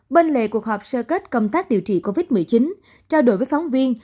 bên lề cuộc họp sơ kết công tác điều trị covid một mươi chín trao đổi với phóng viên